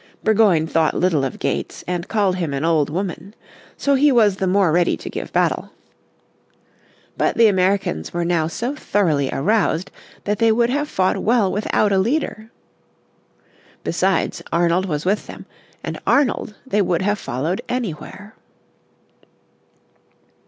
Burgoyne thought little of Gates, and called him an old woman. So he was the more ready to give battle. But the Americans were now so thoroughly aroused that they would have fought well without a leader. Besides, Arnold was with them, and Arnold they would have followed anywhere.